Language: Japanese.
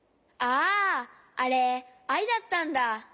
あああれアイだったんだ？